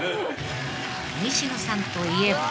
［西野さんといえば］